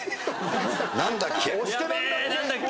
「何だっけ？」